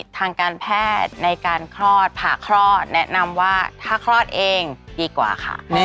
ทางการแพทย์ในการคลอดผ่าคลอดแนะนำว่าถ้าคลอดเองดีกว่าค่ะ